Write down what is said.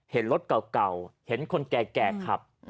เห็นรถเก่าเห็นคนแก่ขับ